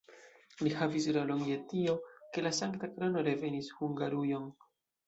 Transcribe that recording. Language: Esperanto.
Li havis rolon je tio, ke la Sankta Krono revenis Hungarujon.